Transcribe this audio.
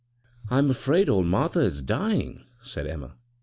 "I'm afraid old Martha is dying," said Emma.